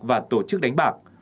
và tổ chức đánh bạc